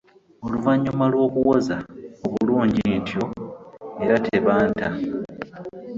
Oluvannyuma lw’okuwoza obulungi ntyo era tebanta.